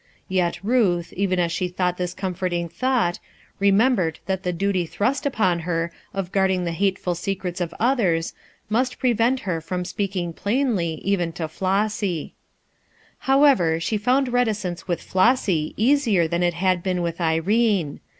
Yet Ruth, even as she thought this comforting thought, remembered that the duty thrust upon her of guarding the hateful secrets of others must prevent her from speaking plainly even to However, she found reticence with Flossy easier than it had been with Irene.